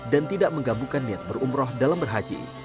dan tidak menggabungkan niat berumroh dalam berhaji